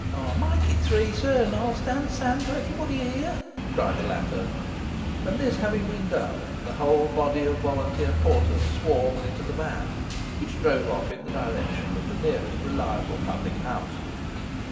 'Make it three, sir, and I'll stand Sam to everybody here!' cried the latter, and, this having been done, the whole body of volunteer porters swarmed into the van, which drove off in the direction of the nearest reliable public house.